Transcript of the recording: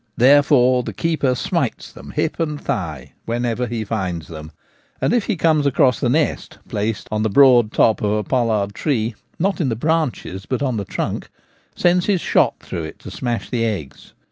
Therefore the keeper smites them hip and thigh whenever he finds them ; and if he comes across the nest, placed on the broad top of a pollard tree — not in the branches, but on the trunk — sends his shot through it to smash the eggs.